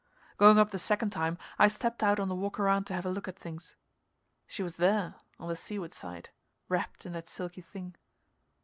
Going up the second time, I stepped out on the walk around to have a look at things. She was there on the seaward side, wrapped in that silky thing.